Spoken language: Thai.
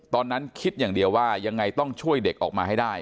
ตอนนั้นคิดอย่างเดียวว่ายังไงต้องช่วยเด็กออกมาให้ได้